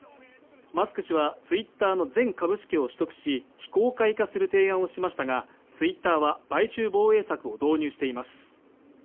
マスク氏はツイッターの全株式を取得し非公開化する提案をしましたがツイッターは買収防衛策を導入しています